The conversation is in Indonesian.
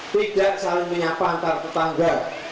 tidak saling menyapa antar tetangga